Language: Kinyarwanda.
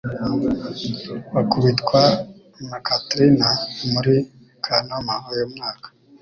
Bakubitwa na Katrina muri Kanama uyu mwaka